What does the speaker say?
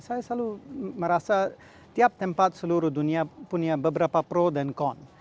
saya selalu merasa tiap tempat seluruh dunia punya beberapa pro dan con